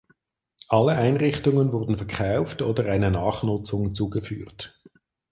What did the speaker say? Alle Einrichtungen wurden verkauft oder einer Nachnutzung zugeführt.